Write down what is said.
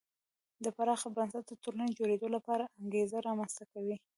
د پراخ بنسټه ټولنې جوړېدو لپاره انګېزه رامنځته کوي.